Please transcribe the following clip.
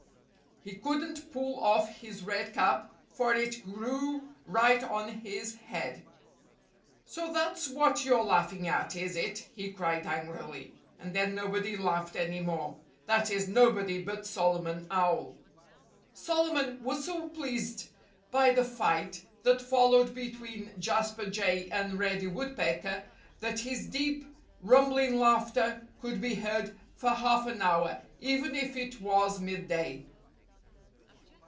He couldn't pull off his red cap, for it grew right on his head. "So that's what you're laughing at, is it?" he cried angrily. And then nobody laughed any more—that is, nobody but Solomon Owl. Solomon was so pleased by the fight that followed between Jasper Jay and Reddy Woodpecker that his deep, rumbling laughter could be heard for half an hour—even if it was midday.